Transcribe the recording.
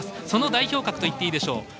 その代表格といっていいでしょう。